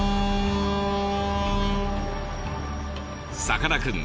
さかなクン